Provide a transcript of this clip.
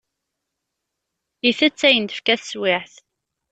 Itett ayen d-tefka teswiɛt.